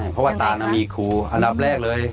เพราะว่าตานมีครูอันดับแรกเลย